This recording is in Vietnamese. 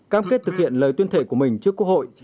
cam kết thực hiện lời tuyên thệ của mình trước quốc hội